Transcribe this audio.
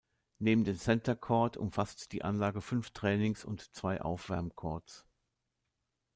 Neben dem Center Court umfasst die Anlage fünf Trainings- und zwei Aufwärm-Courts.